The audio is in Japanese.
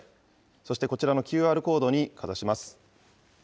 そしてこちらのＱＲコードにかざします。